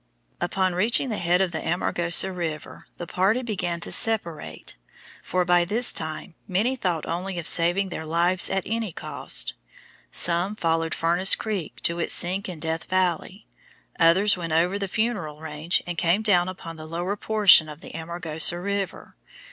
Upon reaching the head of the Amargosa River the party began to separate, for by this time many thought only of saving their lives at any cost. Some followed Furnace Creek to its sink in Death Valley; others went over the Funeral range and came down upon the lower portion of the Amargosa River.